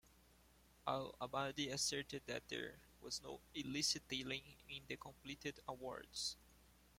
Al-Abadi asserted that there was no illicit dealing in the completed awards.